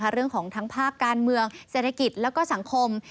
เรื่องของทั้งภาคการเมืองเศรษฐกิจแล้วก็สังคม